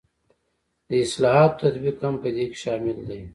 د اصلاحاتو تطبیق هم په دې کې شامل دی.